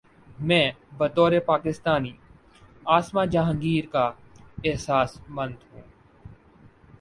میں بطور پاکستانی عاصمہ جہانگیر کا احساس مند ہوں۔